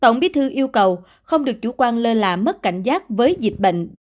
tổng bí thư yêu cầu không được chủ quan lơ là mất cảnh giác với dịch bệnh